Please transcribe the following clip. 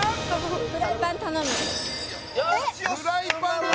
フライパン頼むえっ！